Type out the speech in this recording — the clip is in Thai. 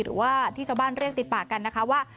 หรือว่าที่ชาวบ้านเรียกติดปากกันนะคะว่า